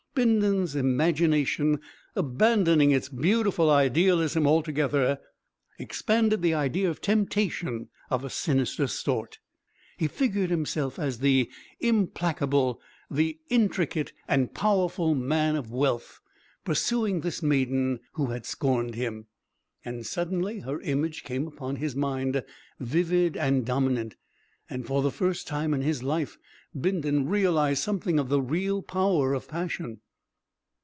Bindon's imagination, abandoning its beautiful idealism altogether, expanded the idea of temptation of a sinister sort. He figured himself as the implacable, the intricate and powerful man of wealth pursuing this maiden who had scorned him. And suddenly her image came upon his mind vivid and dominant, and for the first time in his life Bindon realised something of the real power of passion.